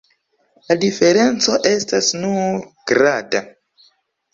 La diferenco estas nur grada.